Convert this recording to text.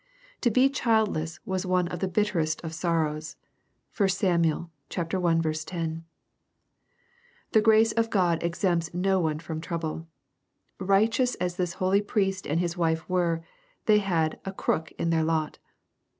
To be childless was one of the bitterest of sorrows. (1 Sam. i. 10.) The grace of God exempts no one from trouble. "Righteous" as this holy priest and his wife were, they had a "crook in their lot.